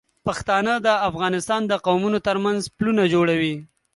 پښتانه د افغانستان د قومونو تر منځ پلونه جوړوي.